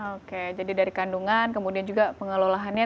oke jadi dari kandungan kemudian juga pengelolaannya